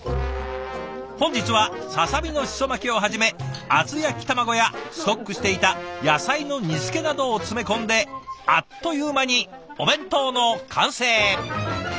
本日はささみのシソ巻きをはじめ厚焼き卵やストックしていた野菜の煮つけなどを詰め込んであっという間にお弁当の完成。